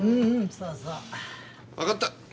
分かった。